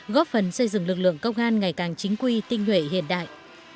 góp phần xây dựng lực lượng công an ngày càng chính quy tinh nhuệ hiện đại